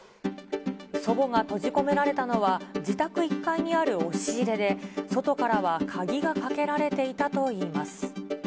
祖母が閉じ込められたのは、自宅１階にある押し入れで、外からは鍵がかけられていたといいます。